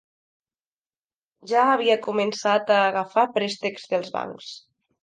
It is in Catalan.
Ja havia començat a agafar préstecs dels bancs.